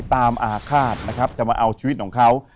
อาฆาตนะครับจะมาเอาชีวิตของเขา